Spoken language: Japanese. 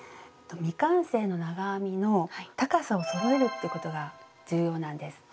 未完成の長編みの高さをそろえるっていうことが重要なんです。